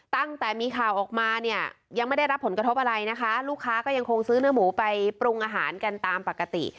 ตั้งแต่มีข่าวออกมาเนี่ยยังไม่ได้รับผลกระทบอะไรนะคะลูกค้าก็ยังคงซื้อเนื้อหมูไปปรุงอาหารกันตามปกติ